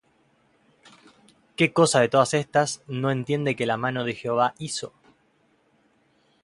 ¿Qué cosa de todas estas no entiende Que la mano de Jehová la hizo?